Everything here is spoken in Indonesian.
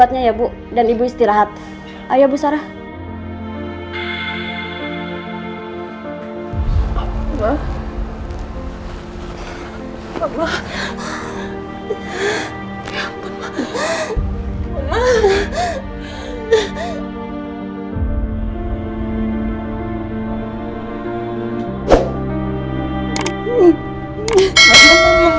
assalamualaikum warahmatullahi wabarakatuh